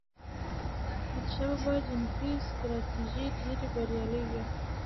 د احمد شاه بابا جنګي ستراتیژۍ ډېرې بریالي وي.